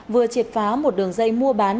vừa chiệt phá một đường dây mua bán